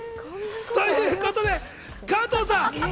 ということで加藤さん